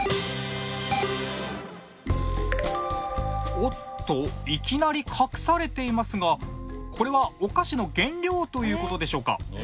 おっといきなり隠されていますがこれはお菓子の原料という事でしょうか？